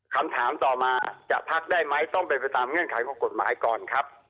คำถามต่อมาจะพักได้ไหมต้องเป็นไปตามเงื่อนไขของกฎหมายก่อนครับ